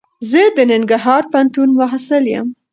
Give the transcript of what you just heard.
زه دننګرهار پوهنتون محصل یم.